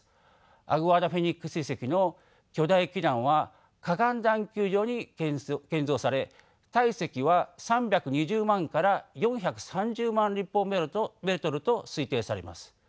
アグアダ・フェニックス遺跡の巨大基壇は河岸段丘上に建造され体積は３２０万から４３０万立方メートルと推定されます。